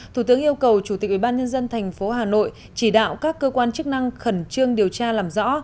thủ tướng yêu cầu chủ tịch ubnd tp hà nội chỉ đạo các cơ quan chức năng khẩn trương điều tra làm rõ